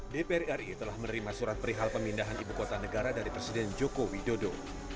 dpr ri telah menerima surat perihal pemindahan ibu kota negara dari presiden joko widodo